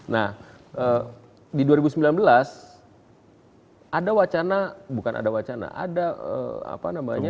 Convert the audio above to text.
nah di dua ribu sembilan belas ada wacana bukan ada wacana ada apa namanya